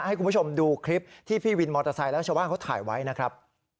ให้คุณผู้ชมดูคลิปที่พี่วินมอเตอร์ไซค์และชาวบ้านเขาถ่ายไว้นะครับ